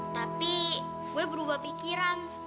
tapi gue berubah pikiran